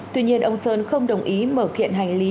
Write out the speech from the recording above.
tuy nhiên ông sơn không đồng ý mở kiện hành lý